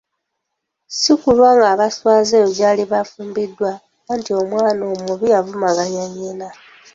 Si kulwanga abaswaza eyo gy'aliba afumbiddwa, anti omwana omubi avumaganya nnyinna.